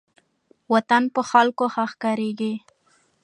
وطن په خلکو ښه ښکاریږي.